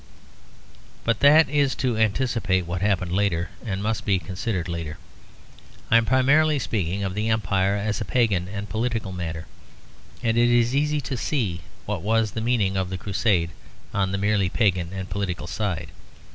But that is to anticipate what happened later and must be considered later. I am primarily speaking of the Empire as a pagan and political matter; and it is easy to see what was the meaning of the Crusade on the merely pagan and political side.